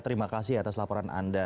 terima kasih atas laporan anda